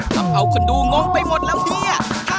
ทำเอาคนดูงงไปหมดแล้วเนี่ย